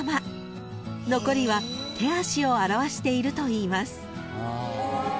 ［残りは手足を表しているといいます］